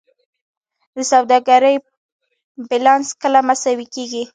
د سوداګرۍ بیلانس کله مساوي کیږي؟